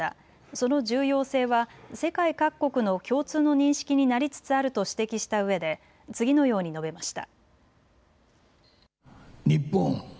その重要性は世界各国の共通の認識になりつつあると指摘したうえで次のように述べました。